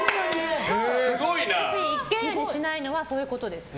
一軒家にしないのはそういうことです。